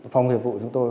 phòng nghiệp vụ chúng tôi